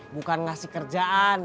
bukan ngasih kerjaan